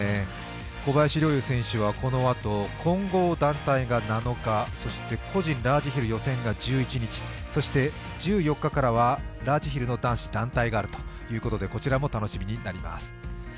小林陵侑選手はこのあと混合団体が７日、そして個人ラージヒル予選が１１日、そして１４日からはラージヒルの男子団体があるということで、こちらも楽しみになります。